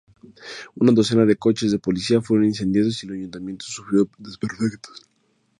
Una docena de coches de policía fueron incendiados y el ayuntamiento sufrió desperfectos.